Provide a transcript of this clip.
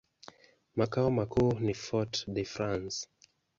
Makao makuu ni Fort-de-France.